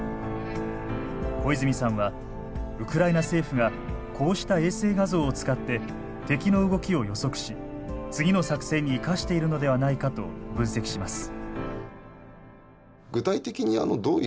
小泉さんはウクライナ政府がこうした衛星画像を使って敵の動きを予測し次の作戦に生かしているのではないかと分析します。